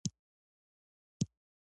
افغان ښځې ولې کار غواړي؟